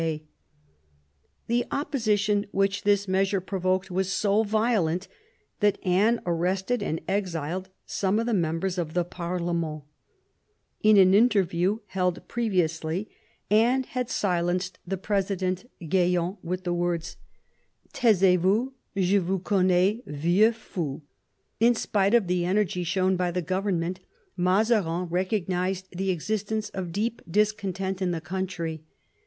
The opposition which this measure provoked was so violent that Anne arrested and exiled some of the members of the parle ment In an interview held previously, Anne had silenced the President Gayant with the words, " Taisez I THE EARLY YEARS OF MAZARIN'S MINISTRY 18 vous ; je vous connais vieux fou." In spite of the energy shown by the government, Mazarin recognised the exist ence of deep discontent in the country.